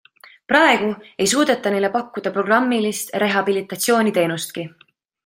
Praegu ei suudeta neile pakkuda programmilist rehabilitatsiooniteenustki.